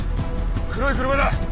黒い車だ！